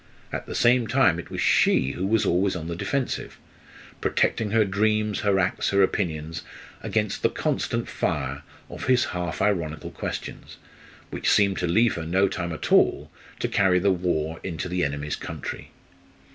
At the same time it was she who was always on the defensive protecting her dreams, her acts, her opinions, against the constant fire of his half ironical questions, which seemed to leave her no time at all to carry the war into the enemy's country.